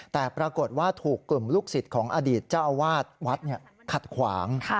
แต่ปรากฏว่าถูกกลุ่มลูกศิษย์ของอดีตเจ้าอาวาสวัดขัดขวาง